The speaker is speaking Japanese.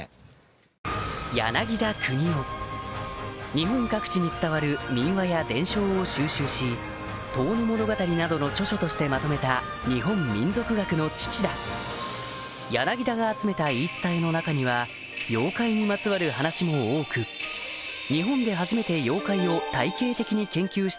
日本各地に伝わる民話や伝承を収集し『遠野物語』などの著書としてまとめた日本民俗学の父だ柳田が集めた言い伝えの中には妖怪にまつわる話も多くいわれている